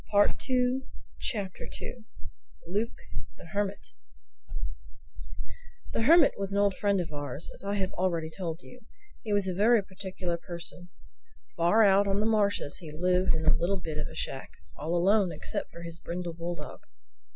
THE SECOND CHAPTER LUKE THE HERMIT THE Hermit was an old friend of ours, as I have already told you. He was a very peculiar person. Far out on the marshes he lived in a little bit of a shack—all alone except for his brindle bulldog.